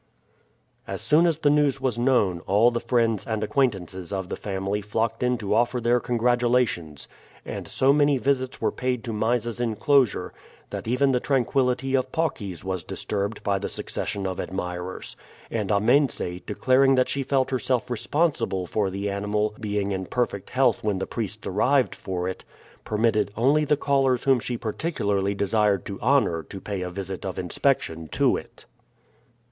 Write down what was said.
As soon as the news was known, all the friends and acquaintances of the family flocked in to offer their congratulations; and so many visits were paid to Mysa's inclosure that even the tranquility of Paucis was disturbed by the succession of admirers, and Amense, declaring that she felt herself responsible for the animal being in perfect health when the priests arrived for it, permitted only the callers whom she particularly desired to honor to pay a visit of inspection to it.